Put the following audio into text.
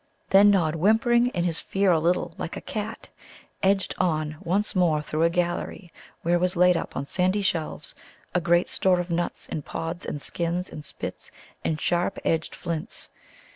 Then Nod whimpering in his fear a little, like a cat, edged on once more through a gallery where was laid up on sandy shelves a great store of nuts and pods and skins and spits and sharp edged flints.